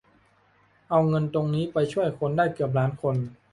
เอาเงินตรงนี้ไปช่วยคนได้เกือบล้านคน